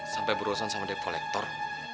sampai berurusan sama dep kolektor